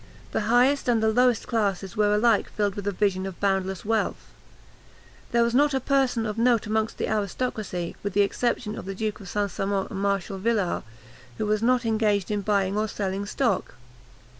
The highest and the lowest classes were alike filled with a vision of boundless wealth. There was not a person of note among the aristocracy, with the exception of the Duke of St. Simon and Marshal Villars, who was not engaged in buying or selling stock.